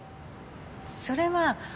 それは。